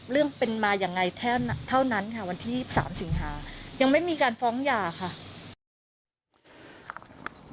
เรื่องเป็นมายังไงเท่านั้นค่ะวันที่๓สิงหายังไม่มีการฟ้องหย่าค่ะ